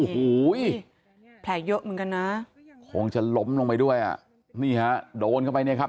โอ้โหแผลเยอะเหมือนกันนะคงจะล้มลงไปด้วยอ่ะนี่ฮะโดนเข้าไปเนี่ยครับ